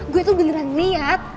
gue tuh beneran liat